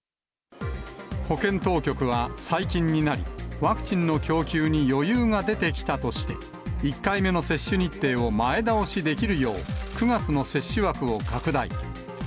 保健当局は、最近になり、ワクチンの供給に余裕が出てきたとして、１回目の接種日程を前倒しできるよう、９月の接種枠を拡大。